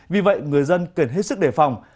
vì vậy người dân cần hết sức đề phòng